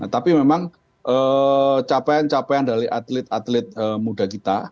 tapi memang capaian capaian dari atlet atlet muda kita